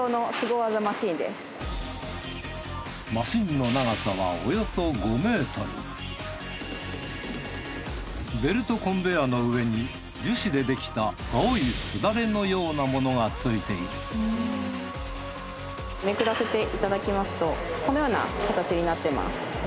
マシンのベルトコンベヤの上に樹脂でできた青いすだれのような物がついているめくらせていただきますとこのような形になってます。